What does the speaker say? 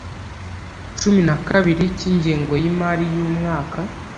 cumi na kabiri cy Ingengo y Imari y umwaka